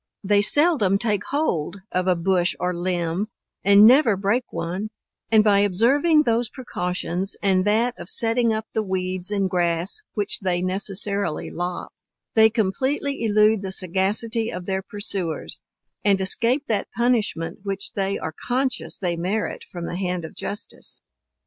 They seldom take hold of a bush or limb, and never break one; and by observing those precautions and that of setting up the weeds and grass which they necessarily lop, they completely elude the sagacity of their pursuers, and escape that punishment which they are conscious they merit from the hand of justice.